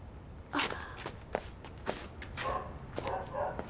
あっ。